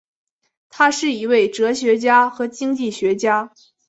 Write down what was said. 他是一位哲学家和经济学家。